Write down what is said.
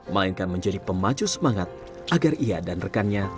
mainkan menjadi pemaju semangat agar ia dan rekannya